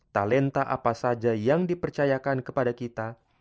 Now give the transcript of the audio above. talenta apa saja yang dipercayakan kepada kita